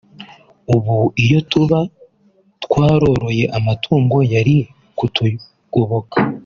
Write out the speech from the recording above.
ubu iyo tuba twaroroye amatungo yari kutugoboka”